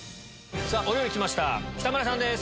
お料理きました北村さんです。